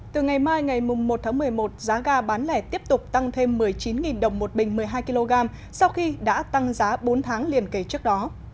từ ngày mai ngày một tháng một mươi một giá ga bán lẻ tiếp tục tăng thêm một mươi chín đồng một bình một mươi hai kg sau khi đã tăng giá bốn tháng liền kể trước đó